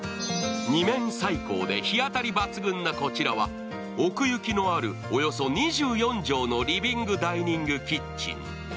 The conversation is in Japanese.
２面採光で日当たり抜群のこちらは奥行きのあるおよそ２３畳のリビング・ダイニング・キッチン。